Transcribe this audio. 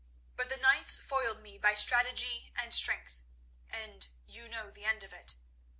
But the knights foiled me by strategy and strength, and you know the end of it.